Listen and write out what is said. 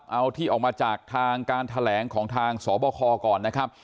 เอาที่ออกมาจากทางการแถลงของทางสบคก่อนนะครับ